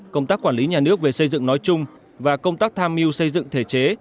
công tác quản lý nhà nước về xây dựng nói chung và công tác tham mưu xây dựng thể chế